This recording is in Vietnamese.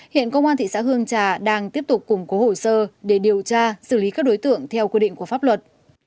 hiện công an thị xã hương trà đang tiếp tục củng cố hồ sơ để điều tra xử lý các đối tượng theo quy định của pháp luật